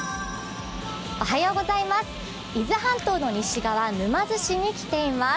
伊豆半島の西側、沼津市に来ています。